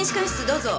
どうぞ。